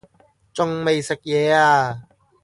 仲未食嘢呀